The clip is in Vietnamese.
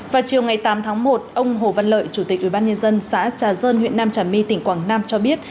vào chiều ngày tám tháng một ông hồ văn lợi chủ tịch ubnd xã trà dơn huyện nam trà my tỉnh quảng nam cho biết